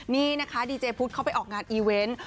นี่นะคะดีเจภูตเขาไปออกงานนิเวน